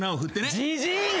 じじい！